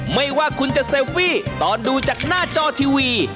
ไม่ว่าคุณจะเซลฟี่ตอนดูจากหน้าจอทีวี